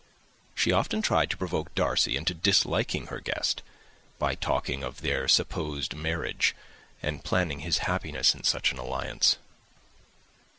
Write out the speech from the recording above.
She often tried to provoke Darcy into disliking her guest, by talking of their supposed marriage, and planning his happiness in such an alliance.